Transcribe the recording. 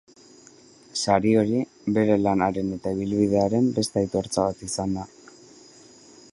Sari hori bere lanaren eta ibilbidearen beste aitortza bat izan da.